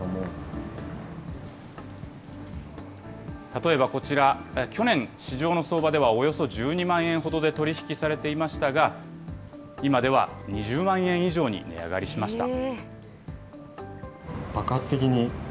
例えばこちら、去年、市場の相場ではおよそ１２万円ほどで取り引きされていましたが、今では２０万円以上に値上がりしました。